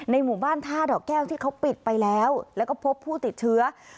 หมู่บ้านท่าดอกแก้วที่เขาปิดไปแล้วแล้วก็พบผู้ติดเชื้อ